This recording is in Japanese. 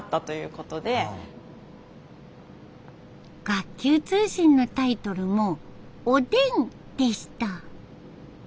学級通信のタイトルも「おでん」でした。